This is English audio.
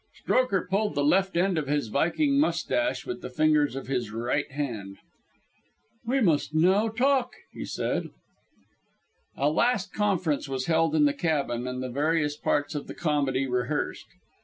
Strokher pulled the left end of his viking mustache with the fingers of his right hand. "We must now talk," he said. A last conference was held in the cabin, and the various parts of the comedy rehearsed.